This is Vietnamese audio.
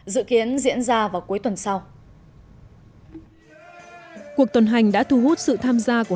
dự kiến diễn ra vào cuối tuần sau cuộc tuần hành đã thu hút sự tham gia của